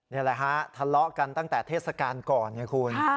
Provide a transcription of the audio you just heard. นี่แหละฮะทะเลาะกันตั้งแต่เทศกาลก่อนไงคุณ